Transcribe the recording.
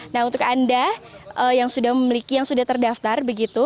nah untuk anda yang sudah memiliki yang sudah terdaftar